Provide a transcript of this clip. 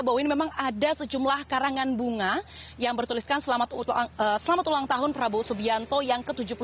bahwa ini memang ada sejumlah karangan bunga yang bertuliskan selamat ulang tahun prabowo subianto yang ke tujuh puluh dua